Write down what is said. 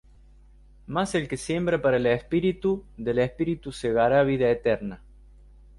mas el que siembra para el Espíritu, del Espíritu segará vida eterna.